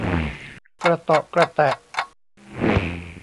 กระเตาะกระแตะ